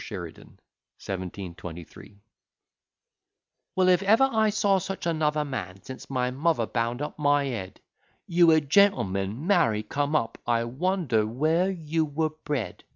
SHERIDAN. 1723 Well, if ever I saw such another man since my mother bound up my head! You a gentleman! Marry come up! I wonder where you were bred.